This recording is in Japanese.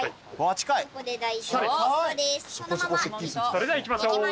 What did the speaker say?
それではいきましょう。